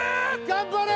頑張れ！